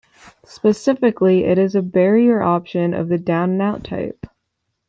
Specifically, it is a barrier option of the Down and Out type.